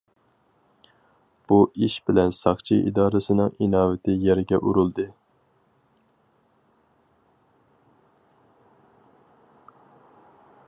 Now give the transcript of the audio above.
بۇ ئىش بىلەن ساقچى ئىدارىسىنىڭ ئىناۋىتى يەرگە ئۇرۇلدى.